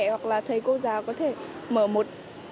hoặc là thầy cô giáo có thể mở một